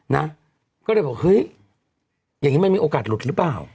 นะก็เลยบอกเฮ้ยอย่างนี้มันมีโอกาสหลุดหรือเปล่า